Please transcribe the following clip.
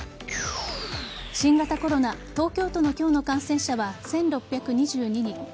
新型コロナ東京都の今日の感染者は１６２２人。